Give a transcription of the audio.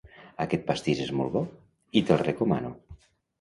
Aquest pastís és molt bo, i te'l recomano.